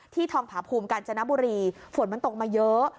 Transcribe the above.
ทองผาภูมิกาญจนบุรีฝนมันตกมาเยอะ